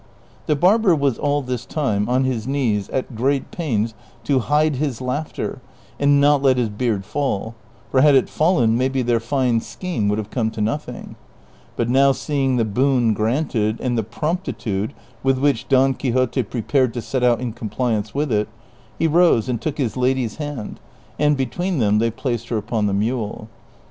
The barber was all this time on his knees at great pains to hide his laughter and not let his beard fall, for had it fallen maybe their fine scheme Avould ha\'e come to nothing ; but now seeing the boon granted, and the promptitude with "which Don Quixote prepared to set out in compliance with it, he rose and took his lady's hand, and between them they placed her upon the mule.